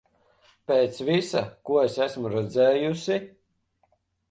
Pēc visa, ko es esmu redzējusi...